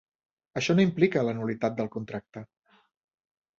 Això no implica la nul·litat del contracte.